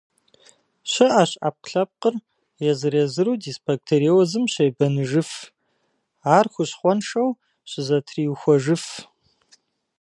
Щыӏэщ ӏэпкълъэпкъыр езыр-езыру дисбактериозым щебэныжыф, ар хущхъуэншэу щызэтриухуэжыф.